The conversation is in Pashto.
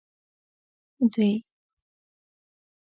درې